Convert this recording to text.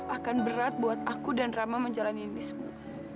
akan berat buat aku dan rama menjalani ini semua